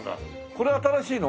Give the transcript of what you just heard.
これ新しいの？